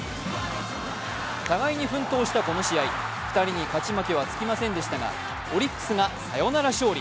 互いに奮闘したこの試合、２人に勝ち負けはつきませんでしたがオリックスがサヨナラ勝利